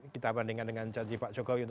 kita bandingkan dengan janji pak jokowi